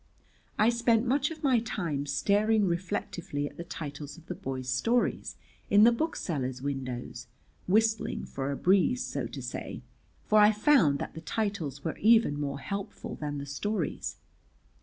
I spent much of my time staring reflectively at the titles of the boys' stories in the booksellers' windows, whistling for a breeze, so to say, for I found that the titles were even more helpful than the stories.